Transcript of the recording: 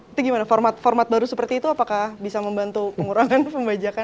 itu gimana format format baru seperti itu apakah bisa membantu pengurangan pembajakan